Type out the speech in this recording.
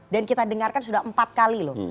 kita dengarkan sudah empat kali loh